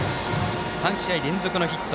３試合連続のヒット。